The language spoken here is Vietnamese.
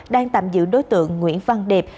đang tạm giữ đối tượng nguyễn văn điệp